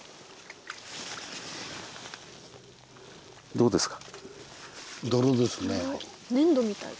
どうですか？